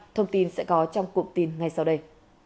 thông tin sẽ có trong cụm tin ngay sau đây